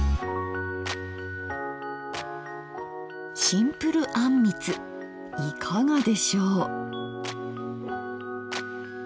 シンプルあんみついかがでしょう。